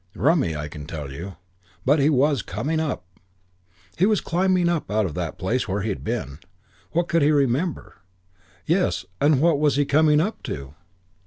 Rummy, I can tell you. But he was coming up. He was climbing up out of that place where he had been. What would he remember? Yes, and what was he coming up to?